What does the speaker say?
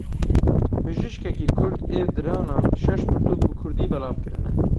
Bijîşkekî kurd ê diranan şeş pirtûk bi kurdî belav kirine.